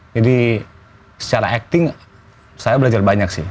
jadi secara acting saya belajar banyak sih